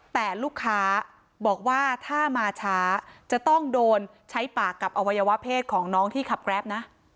แต่ลูกค้าบอกว่าถ้ามาช้าจะต้องโดนใช้ปากกับอวัยวะเพศของน้องที่ขับแกรปนะ